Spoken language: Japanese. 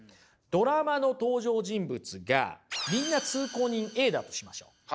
ドラマの登場人物がみんな通行人Ａだとしましょう。